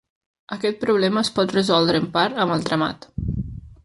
Aquest problema es pot resoldre, en part, amb el tramat.